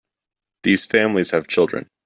These families have children.